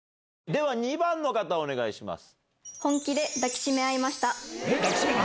では３番の方お願いします。